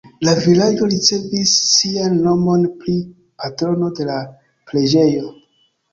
La vilaĝo ricevis sian nomon pri patrono de la preĝejo.